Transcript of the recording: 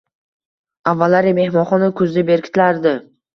Avvallari mehmonxona kuzda berkitilardi